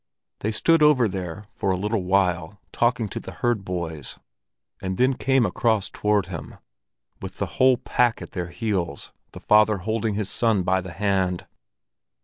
They stood over there for a little while, talking to the herd boys, and then came across toward him, with the whole pack at their heels, the father holding his son by the hand.